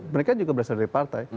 mereka juga berasal dari partai